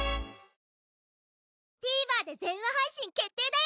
ＴＶｅｒで全話配信決定だよ！